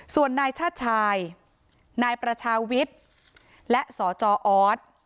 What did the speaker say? ส่วนนายชาติชายนายประชาวิทย์และสจออส